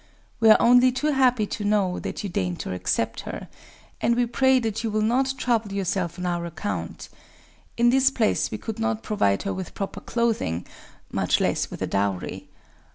We are only too happy to know that you deign to accept her; and we pray that you will not trouble yourself on our account. In this place we could not provide her with proper clothing,—much less with a dowry.